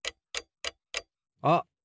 あっ！